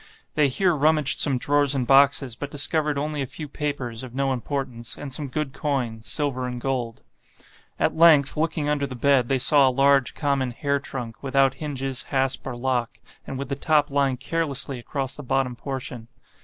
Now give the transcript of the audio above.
They here rummaged some drawers and boxes, but discovered only a few papers, of no importance, and some good coin, silver and gold. At length, looking under the bed, they saw a large, common hair trunk, without hinges, hasp, or lock, and with the top lying carelessly across the bottom portion.